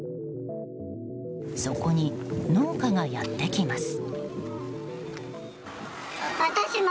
そこに、農家がやって来ます。